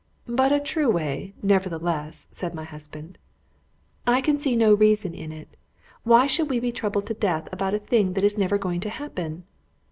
"But a true way, nevertheless," said my husband. "I can see no reason in it. Why should we be troubled to death about a thing that is never going to happen?"